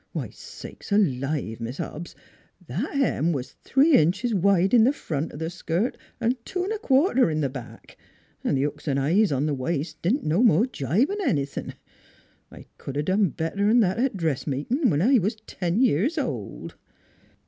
Why, sakes alive, Miss Hobbs, that hem was three inches wide in the front o' th' skirt an' two 'n' a quarter in th' back; 'n' th' hooks 'n' eyes on th' waist didn't no more gibe 'n' anythin'. I c'd V NEIGHBORS 85 done better V that at dressmakin' when I was ten years old."